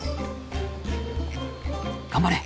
頑張れ！